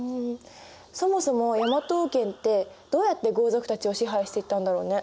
そもそも大和王権ってどうやって豪族たちを支配していったんだろうね。